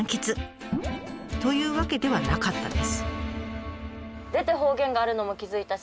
というわけではなかったです。